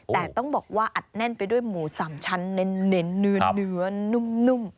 แต่ต้องบอกว่าอัดแน่นไปด้วยหมูสามชั้นเน้นเนื้อนุ่ม